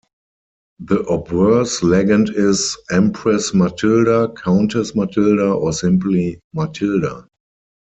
The obverse legend is - "Empress Matilda", - "Countess Matilda", or simply - "Matilda".